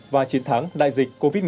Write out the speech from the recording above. và chiến thắng đại dịch covid một mươi chín